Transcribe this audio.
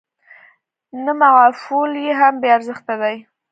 نه معافول يې هم بې ارزښته دي.